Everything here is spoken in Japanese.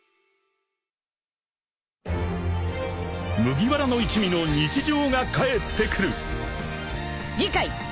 ［麦わらの一味の日常がかえってくる］